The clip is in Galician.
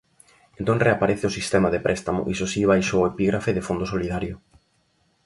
Entón reaparece o sistema de préstamo, iso si, baixo o epígrafe de Fondo solidario.